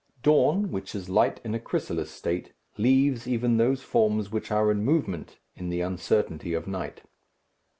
Dawn, which is light in a chrysalis state, leaves even those forms which are in movement in the uncertainty of night.